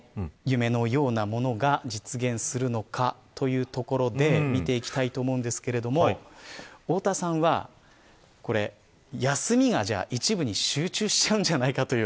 ただ、この夢のようなものが実現するのかというところで見ていきたいと思うんですが太田さんは休みが一部に集中しちゃうんじゃないかと。